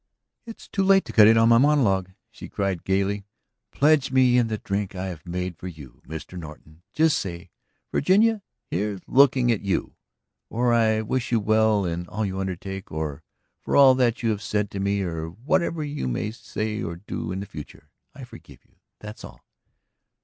"It's too late to cut in on my monologue!" she cried gayly. "Pledge me in the drink I have made for you, Mr. Norton! Just say: 'Virginia, here's looking at you!' Or: 'I wish you well in all that you undertake.' Or: 'For all that you have said to me, for whatever you may say or do in the future, I forgive you!' That's all."